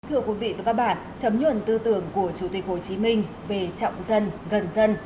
thưa quý vị và các bạn thấm nhuần tư tưởng của chủ tịch hồ chí minh về trọng dân gần dân